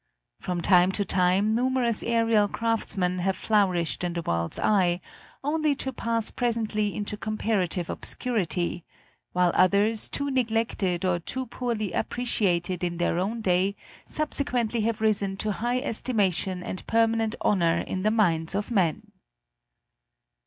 From time to time numerous aerial craftsmen have flourished in the world's eye, only to pass presently into comparative obscurity, while others too neglected or too poorly appreciated in their own day subsequently have risen to high estimation and permanent honor in the minds of men.